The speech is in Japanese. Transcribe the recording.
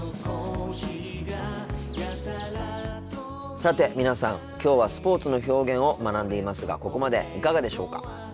さて皆さんきょうはスポーツの表現を学んでいますがここまでいかがでしょうか。